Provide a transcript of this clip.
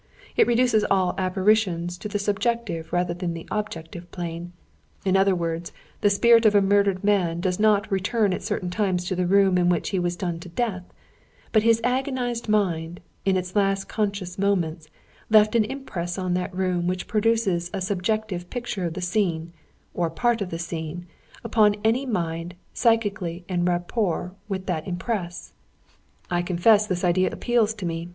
It reduces all apparitions to the subjective rather than the objective plane; in other words the spirit of a murdered man does not return at certain times to the room in which he was done to death; but his agonised mind, in its last conscious moments, left an impress upon that room which produces a subjective picture of the scene, or part of the scene, upon any mind psychically en rapport with that impress. I confess this idea appeals to me.